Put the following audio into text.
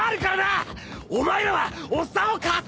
お前らはおっさんを加勢しろ！